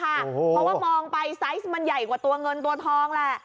เพราะว่ามองไปไซส์มันใหญ่กว่าตัวเงินตัวทองแหละ